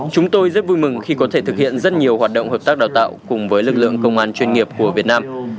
chúng tôi rất vui mừng khi có thể thực hiện rất nhiều hoạt động hợp tác đào tạo cùng với lực lượng công an chuyên nghiệp của việt nam